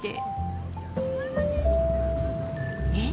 えっ？